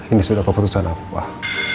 ini sudah keputusan aku pak